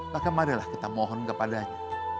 maka marilah kita mohon kepadanya